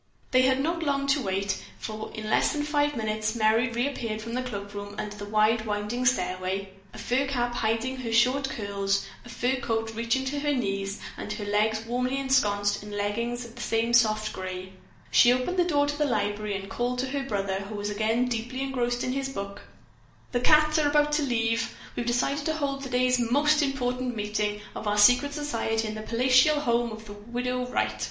They had not long to wait, for in less than five minutes Merry reappeared from the cloakroom, under the wide, winding stairway, a fur cap hiding her short curls, a fur cloak reaching to her knees and her legs warmly ensconced in leggins of the same soft grey. She opened the door to the library and called to her brother, who was again deeply engrossed in his book: "The 'cats' are about to leave. We've decided to hold today's most important meeting of our secret society in the palatial home of the Widow Wright.